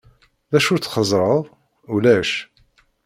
D acu txeẓẓreḍ?" "Ulac.